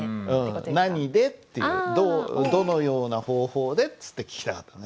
「なにで？」っていう「どのような方法で？」って聞きたかったんだよね。